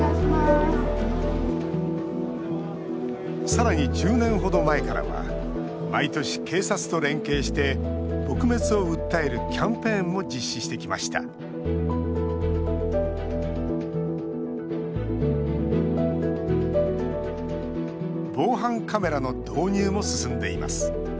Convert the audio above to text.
さらに１０年ほど前からは毎年、警察と連携して撲滅を訴えるキャンペーンも実施してきました防犯カメラの導入も進んでいます。